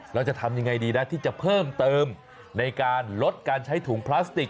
เราจะทำยังไงดีนะที่จะเพิ่มเติมในการลดการใช้ถุงพลาสติก